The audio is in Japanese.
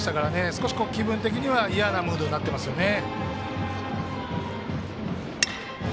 少し気分的には嫌なムードになってますよね。